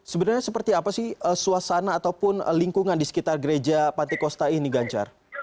sebenarnya seperti apa sih suasana ataupun lingkungan di sekitar gereja pantikosta ini ganjar